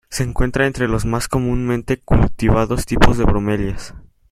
Se encuentran entre los más comúnmente cultivados tipos de bromelias.